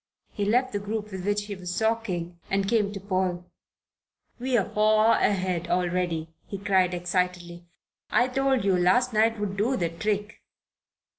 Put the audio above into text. He left the group with which he was talking, and came to Paul. "We're far ahead already," he cried excitedly. "I told you last night would do the trick."